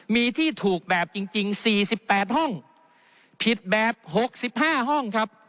มีที่ถูกแบบจริง๔๘ห้องผิดแบบ๖๕ห้องครับ